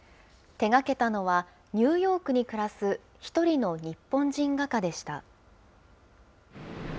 手がけたのは、ニューヨークに暮らす１人の日本人画家でした。